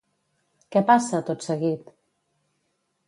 Què passa, tot seguit?